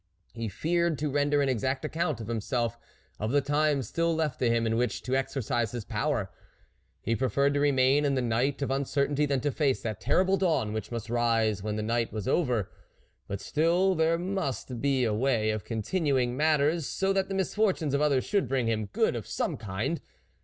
He feared to render an exact 7 6 THE WOLF LEADER account to himself of the time still left to him in which to exercise his power ; he preferred to remain in the night of un certainty than to face that terrible dawn which must rise when the night was over. But still, there must be a way of con tinuing matters, so that the misfortunes of others should bring him good of some kind.